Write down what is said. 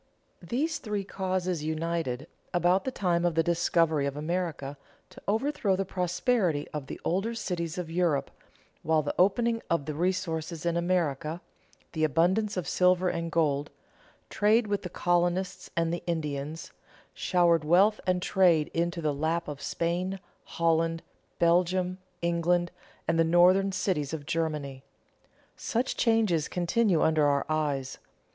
These three causes united, about the time of the discovery of America, to overthrow the prosperity of the older cities of Europe, while the opening of the resources in America, the abundance of silver and gold, trade with the colonists and the Indians, showered wealth and trade into the lap of Spain, Holland, Belgium, England, and the northern cities of Germany. Such changes continue under our eyes.